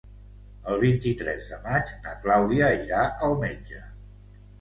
El vint-i-tres de maig na Clàudia irà al metge.